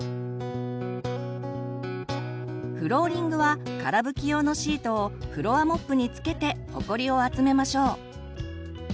フローリングはから拭き用のシートをフロアモップに付けてほこりを集めましょう。